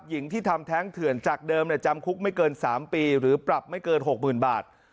หญิงที่ทำแท้งเถื่อนจากเดิมจำคุกไม่เกิน๓ปีหรือปรับไม่เกิน๖๐๐๐บาท